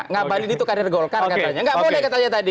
ngabalin itu karir golkar katanya